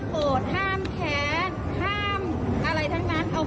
เกิดจะหน้าจันทร์ใดบุ๊คไปเป็นลูกคนรวย